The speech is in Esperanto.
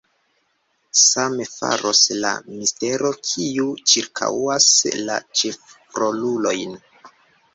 Same faros la mistero, kiu cirkaŭas la ĉefrolulojn.